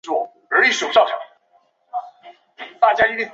朴正熙是一位颇具争议性的韩国总统。